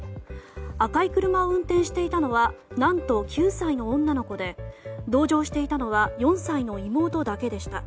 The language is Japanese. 赤い車を運転していたのは何と９歳の女の子で同乗していたのは４歳の妹だけでした。